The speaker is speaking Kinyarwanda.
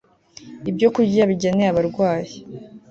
Ibyokurya Bigenewe Abarwayi